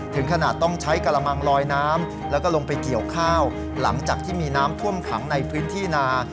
ถึงขนาดต้องใช้กระมังลอยน้ำแล้วก็ลงไปเกี่ยวข้าวหลังจากที่มีน้ำท่วมขังในพื้นที่นา